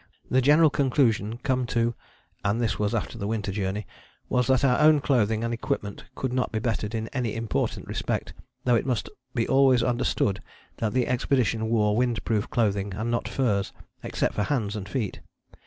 The general conclusion come to (and this was after the Winter Journey) was that our own clothing and equipment could not be bettered in any important respect, though it must be always understood that the expedition wore wind proof clothing and not furs, except for hands and feet.